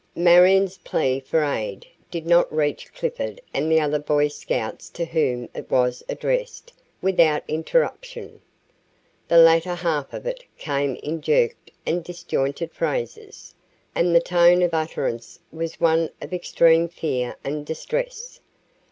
Marion's plea for aid did not reach Clifford and the other Boy Scouts to whom it was addressed without interruption. The latter half of it came in jerked and disjointed phrases, and the tone of utterance was one of extreme fear and distress.